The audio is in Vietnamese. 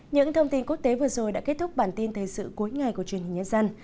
những thông tin quốc tế vừa rồi đã kết thúc bản tin thời sự cuối ngày của truyền hình nhân dân